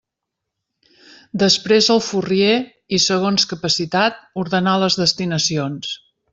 Després el furrier, i segons capacitat, ordenà les destinacions.